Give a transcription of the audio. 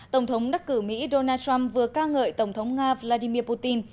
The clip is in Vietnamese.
tổng thống đắc cử mỹ donald trump vừa ca ngợi tổng thống nga vladimir putin